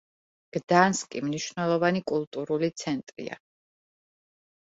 გდანსკი მნიშვნელოვანი კულტურული ცენტრია.